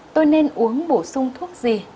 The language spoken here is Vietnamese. tôi nên uống bổ sung thuốc gì